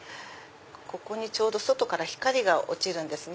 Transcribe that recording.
ここにちょうど外から光が落ちるんですね。